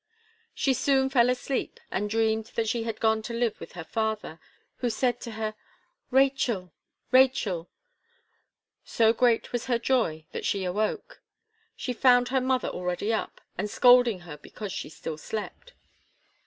She soon fell asleep, and dreamed that she had gone to live with her father, who said to her, "Rachel! Rachel!" So great was her joy, that she awoke. She found her mother already up, and scolding her because she still slept.